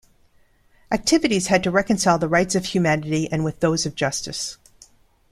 Activities had to reconcile the rights of humanity and with those of justice.